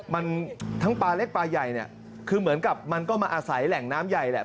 มันทั้งปลาเล็กปลาใหญ่เนี่ยคือเหมือนกับมันก็มาอาศัยแหล่งน้ำใหญ่แหละ